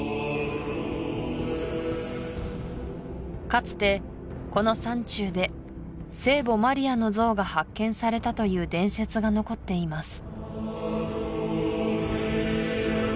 かつてこの山中で聖母マリアの像が発見されたという伝説がのこっています